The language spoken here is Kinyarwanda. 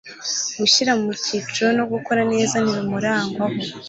gushyira mu gaciro no gukora neza ntibimurangwaho